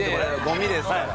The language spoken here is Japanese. ゴミですから。